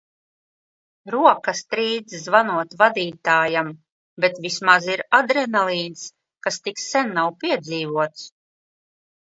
Rokas trīc zvanot vadītājam, bet vismaz ir adrenalīns, kas tik sen nav piedzīvots.